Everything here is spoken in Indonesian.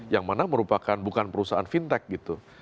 yang mana merupakan bukan perusahaan fintech gitu